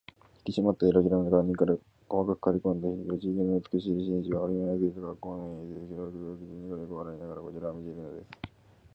ひきしまった色白の顔に、細くかりこんだ口ひげの美しい紳士が、折り目のついた、かっこうのいい背広服を着て、にこにこ笑いながらこちらを見ているのです。